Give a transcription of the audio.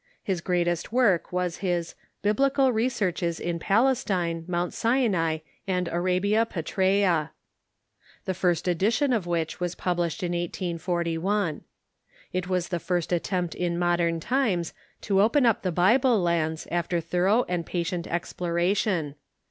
His greatest work was his " Biblical Researches in Palestine, Mount Sinai, and Arabia Petraea," the first edition of which was published in 1841. It was the first attempt in modern times to open up the Bible lands after thorough and patient exploration.